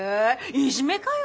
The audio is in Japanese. いじめかよ！